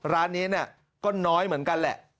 ร้านนี้ก็น้อยเหมือนกันแหละ